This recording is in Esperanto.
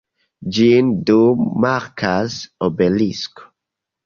Ĝin dume markas obelisko.